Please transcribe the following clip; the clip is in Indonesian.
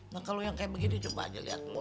nah kalau yang kayak begini coba aja liat lo